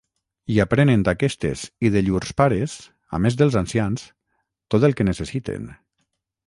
I aprenen d'aquestes i de llurs pares, a més dels ancians, tot el que necessiten.